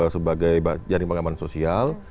sebagai jaring pengaman sosial